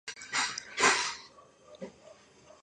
საქართველოში მრავლად იყო რიტორიკული სკოლები.